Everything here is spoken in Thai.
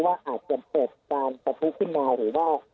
ว่าอาจจะเจดการกระพุที่จึงหรือว่า